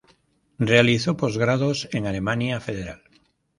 Realizó posgrados en Alemania Federal.